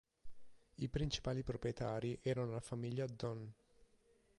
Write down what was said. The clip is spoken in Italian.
I principali proprietari erano la famiglia Dunn.